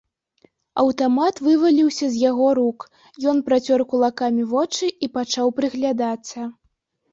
Аўтамат вываліўся з яго рук, ён працёр кулакамі вочы і пачаў прыглядацца.